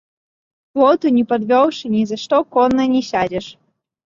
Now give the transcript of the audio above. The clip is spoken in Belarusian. К плоту не падвёўшы, ні за што конна не сядзеш.